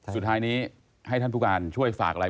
สุดท้ายนี้ให้ท่านผู้การช่วยฝากอะไร